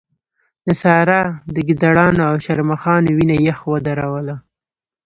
د سارا د ګيدړانو او شرموښانو وينه يخ ودروله.